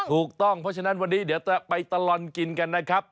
ถูกต้องเพราะฉะนั้นวันนี้เดี๋ยวจะไปตลอดกินกันนะครับ